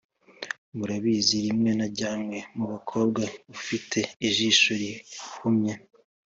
murabizi rimwe najyanywe numukobwa ufite ijisho rihumye